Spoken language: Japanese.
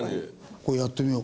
これやってみよう。